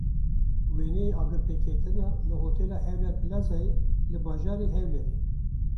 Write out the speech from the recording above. Wêneyê agirpêketina li hotela HawlerPlazayê li bajarê Hewlêrê.